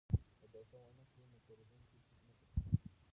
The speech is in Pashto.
که دوکه ونه کړو نو پیرودونکي نه تښتي.